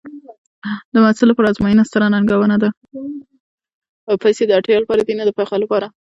پېسې د اړتیا لپاره دي، نه د فخر لپاره.